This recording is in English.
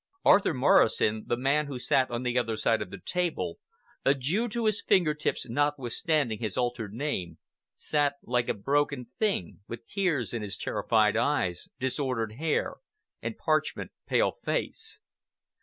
Arthur Morrison, the man who sat on the other side of the table, a Jew to his finger tips notwithstanding his altered name, sat like a broken thing, with tears in his terrified eyes, disordered hair, and parchment pale face.